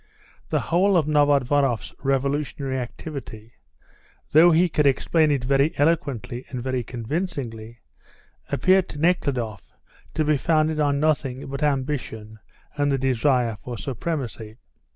The whole of Novodvoroff's revolutionary activity, though he could explain it very eloquently and very convincingly, appeared to Nekhludoff to be founded on nothing but ambition and the desire for supremacy.